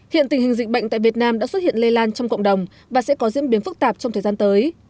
hiện tình hình dịch bệnh tại việt nam đã xuất hiện lây lan trong cộng đồng và sẽ có diễn biến phức tạp trong thời gian tới